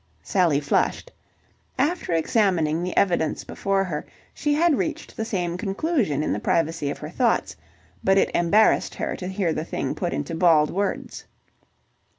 Sally flushed. After examining the evidence before her, she had reached the same conclusion in the privacy of her thoughts, but it embarrassed her to hear the thing put into bald words.